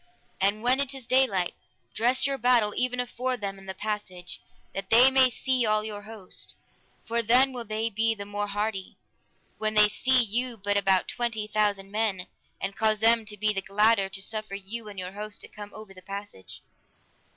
And when it is daylight, dress your battle even afore them and the passage, that they may see all your host, for then will they be the more hardy, when they see you but about twenty thousand men, and cause them to be the gladder to suffer you and your host to come over the passage.